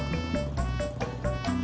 bapak udah telat